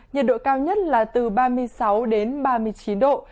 nhiệt độ cao nhất là từ ba mươi sáu đến ba mươi chín độ